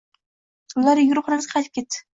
Dildora yugurib xonasiga qaytib ketdi.